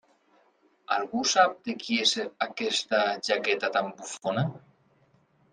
Algú sap de qui és aquesta jaqueta tan bufona?